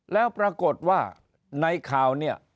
แล้วปรากฏว่าในข่าวเนี่ย